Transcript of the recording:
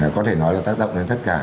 có thể nói là tác động đến tất cả